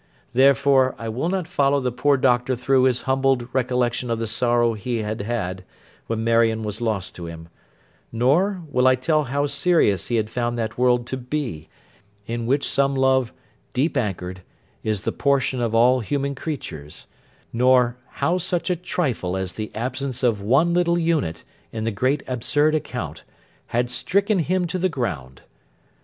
Therefore, I will not follow the poor Doctor through his humbled recollection of the sorrow he had had, when Marion was lost to him; nor, will I tell how serious he had found that world to be, in which some love, deep anchored, is the portion of all human creatures; nor, how such a trifle as the absence of one little unit in the great absurd account, had stricken him to the ground.